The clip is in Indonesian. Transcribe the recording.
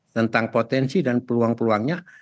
tentang potensi dan peluang peluangnya